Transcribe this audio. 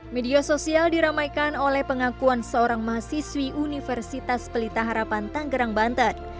media sosial diramaikan oleh pengakuan seorang mahasiswi universitas pelita harapan tanggerang banten